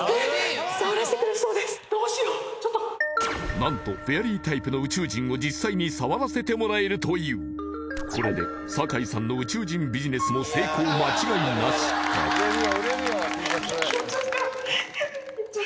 何とフェアリータイプの宇宙人を実際に触らせてもらえるというこれで酒井さんの宇宙人ビジネスも成功間違いなしか？